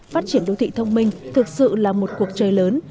phát triển đô thị thông minh thực sự là một cuộc chơi lớn